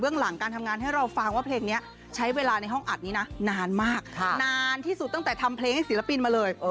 หลังการทำงานให้เราฟังว่าเพลงนี้ใช้เวลาในห้องอัดนี้นะนานมากนานที่สุดตั้งแต่ทำเพลงให้ศิลปินมาเลย